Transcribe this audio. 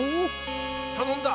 頼んだ！